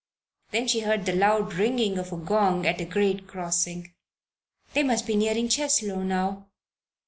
Then she heard the loud ringing of a gong at a grade crossing. They must be nearing Cheslow now.